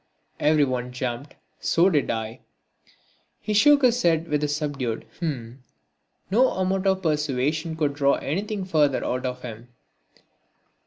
Everyone jumped, so did I. He shook his head with a subdued "h'm." No amount of persuasion could draw anything further out of him.